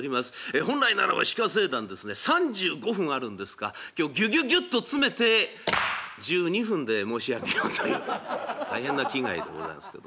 本来ならば「鹿政談」ですね３５分あるんですが今日ぎゅぎゅぎゅっと詰めて１２分で申し上げようという大変な気概でございますけどもね。